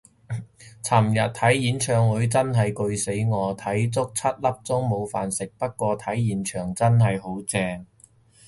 尋日睇演唱會真係攰死我，睇足七粒鐘冇飯食，不過睇現場真係好正